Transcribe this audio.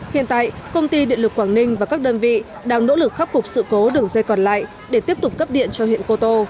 hiện tại công ty điện lực quảng ninh và các đơn vị đang nỗ lực khắc phục sự cố đường dây còn lại để tiếp tục cấp điện cho huyện cô tô